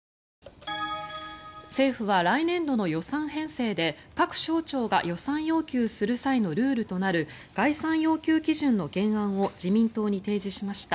政府は来年度の予算編成で各省庁が予算要求する際のルールとなる概算要求基準の原案を自民党に提示しました。